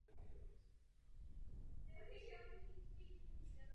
Referenční skupiny jsou v sociologii děleny na otevřené a uzavřené.